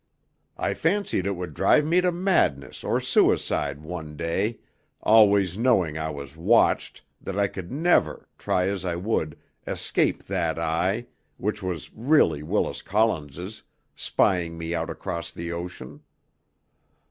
I fancied it would drive me to madness or suicide one day, always knowing I was watched, that I could never, try as I would, escape that Eye, which was really Willis Collins's, spying me out across the ocean.